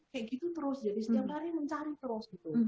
kayak gitu terus jadi setiap hari mencari terus gitu